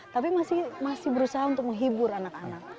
tapi masih berusaha untuk menghibur anak anak